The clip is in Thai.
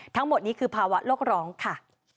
ทั้งหมดนี้คือภาวะโลกร้องค่ะ